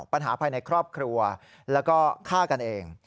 ปัญหาภายในครอบครัวแล้วก็ฆ่ากันเอง